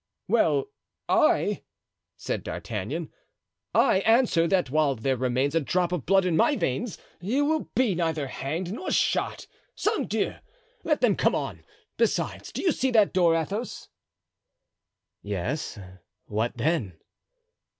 "Well, I," said D'Artagnan "I answer that while there remains a drop of blood in my veins you will be neither hanged nor shot. Sang Diou! let them come on! Besides—do you see that door, Athos?" "Yes; what then?"